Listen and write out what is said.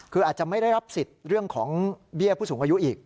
คืออาจจะไม่ได้รับสิทธิ์เรื่องของเบี้ยผู้สูงอายุอีก